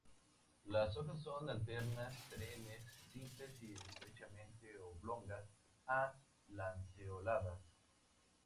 Las hojas son alternas, perennes, simples, y estrechamente oblongas a lanceoladas.